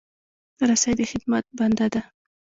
رسۍ د خدمت بنده ده.